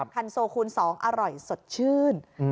คันโซคูณ๒อร่อยสดชื่น